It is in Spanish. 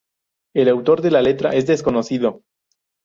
El autor de la letra es desconocido.